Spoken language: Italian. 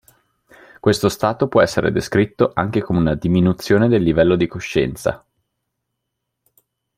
Questo stato può essere descritto anche come una diminuzione del livello di coscienza.